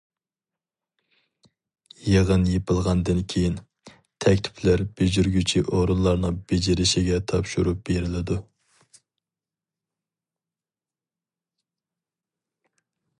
يىغىن يېپىلغاندىن كېيىن، تەكلىپلەر بېجىرگۈچى ئورۇنلارنىڭ بېجىرىشىگە تاپشۇرۇپ بېرىلىدۇ.